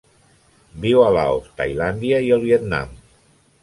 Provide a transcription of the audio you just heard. Viu a Laos, Tailàndia i el Vietnam.